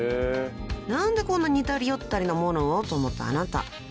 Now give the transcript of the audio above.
何でこんな似たり寄ったりなものをと思ったあなた］